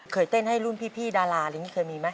เคยเต้นให้รุ่นพี่ดาราหรือเป็นเคยมีไหม